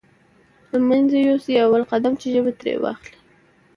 له منځه يوسې اول قدم کې ژبه ترې واخلئ.